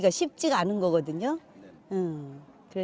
kami datang ke sekolah